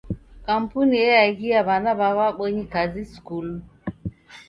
Kampuni eaghia w'ana w'a w'abonyi kazi skulu.